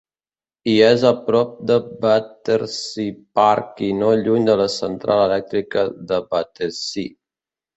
Hi és a prop de Battersea Park i no lluny de la central elèctrica de Battersea.